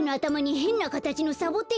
へんなかたちのサボテン？